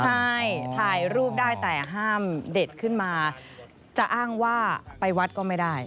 ใช่ถ่ายรูปได้แต่ห้ามเด็ดขึ้นมาจะอ้างว่าไปวัดก็ไม่ได้